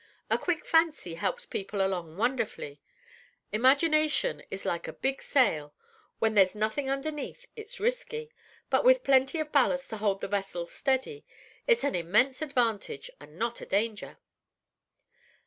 "A quick fancy helps people along wonderfully. Imagination is like a big sail. When there's nothing underneath it's risky; but with plenty of ballast to hold the vessel steady, it's an immense advantage and not a danger."